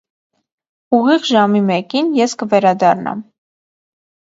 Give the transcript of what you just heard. Ուղիղ ժամի մեկին ես կվերադառնամ: